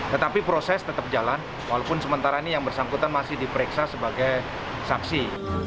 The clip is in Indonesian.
tetapi proses tetap jalan walaupun sementara ini yang bersangkutan masih diperiksa sebagai saksi